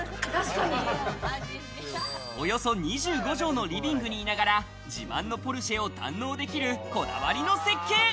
およそ２５帖のリビングにいながら、自慢のポルシェを堪能できるこだわりの設計。